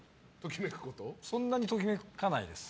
そんなにトキめかないです。